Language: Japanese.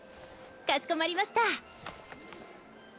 かしこまりました。